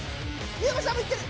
ユウマさんもいってる！